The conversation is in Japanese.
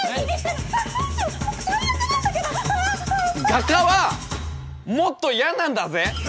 画家はもっと嫌なんだぜ！